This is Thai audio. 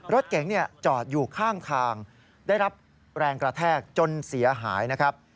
รถเก๋งจอดอยู่ข้างทางได้รับแรงกระแทกจนเสียหายนะครับ